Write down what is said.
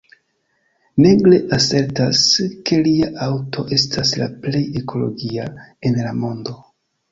Negre asertas, ke lia aŭto estas la plej ekologia en la mondo.